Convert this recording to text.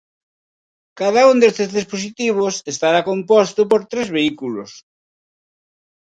Cada un destes dispositivos estará composto por tres vehículos.